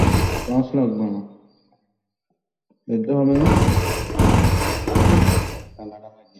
তা, আমার কাছে ধরা পড়তেই হবে, আমি তো আর পুরুষমানুষ নই।